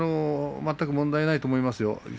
全く問題ないと思いますよ。